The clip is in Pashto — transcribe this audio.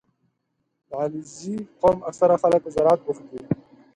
• د علیزي قوم اکثره خلک په زراعت بوخت دي.